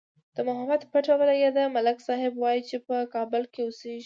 د محمود پته ولگېده، ملک صاحب وایي چې په کابل کې اوسېږي.